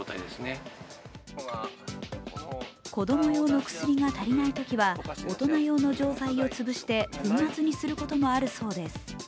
子供用の薬が足りないときは大人用の錠剤を潰して、粉末にすることもあるそうです。